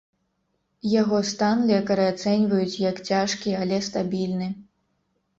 Яго стан лекары ацэньваюць як цяжкі, але стабільны.